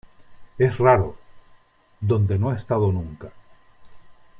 es raro . donde no ha estado nunca